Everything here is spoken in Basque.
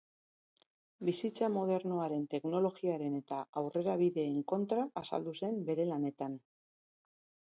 Bizitza modernoaren teknologiaren eta aurrerabideen kontra azaldu zen bere lanetan.